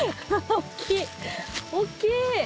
大きい！